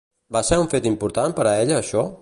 Va ser un fet important per a ella això?